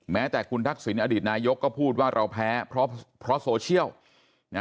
แม้แต่คุณทักษิณอดีตนายกก็พูดว่าเราแพ้เพราะโซเชียลนะ